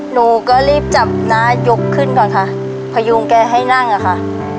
หนูก็รีบจับน้ายกขึ้นก่อนค่ะพยุงแกให้นั่งอะค่ะ